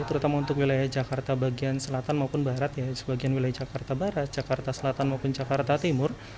terutama untuk wilayah jakarta bagian selatan maupun barat ya sebagian wilayah jakarta barat jakarta selatan maupun jakarta timur